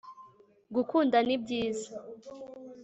gukunda ni byiza